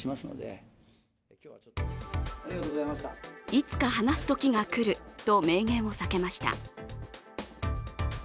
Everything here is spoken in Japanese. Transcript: いつか話すときがくると、明言を避けました。